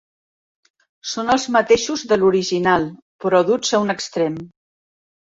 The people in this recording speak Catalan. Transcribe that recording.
Són els mateixos de l'original, però duts a un extrem.